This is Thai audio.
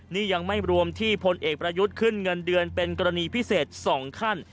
นี่ยังไม่รวมที่พลเอกประยุทธ์ขึ้นเงินเดือนเป็นกรณีพิเศษ๒ขั้น